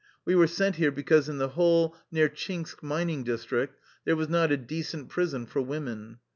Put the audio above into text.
We were sent here because in the whole Nertchinsk mining district there was not a decent prison for women.